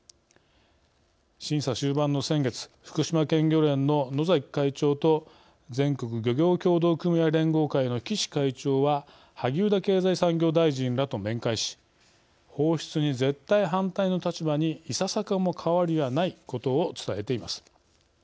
審査終盤の先月福島県漁連の野会長と全国漁業協同組合連合会の岸会長は萩生田経済産業大臣らと面会し「放出に絶対反対の立場にいささかも変わりはない」ことを伝えています。